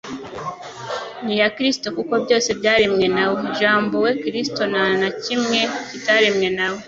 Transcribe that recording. Ni iya Kristo. " Kuko byose byaremwe na we, Jambo ari we Kristo nta na kimwe kitaremwe na we.